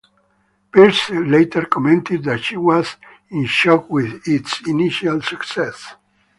Pearce later commented that she was "in shock" with its initial success.